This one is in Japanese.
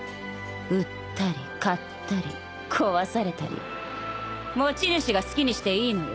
売ったり買ったり壊されたり持ち主が好きにしていいのよ。